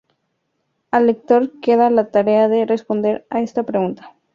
Al lector queda la tarea de responder a esta pregunta.